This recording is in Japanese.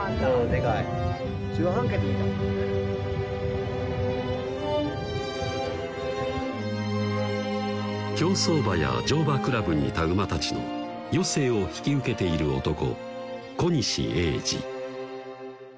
でかい競走馬や乗馬クラブにいた馬たちの余生を引き受けている男